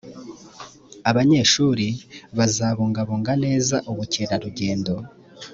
abanyeshuri bazabungabunga neza ubukerarugendo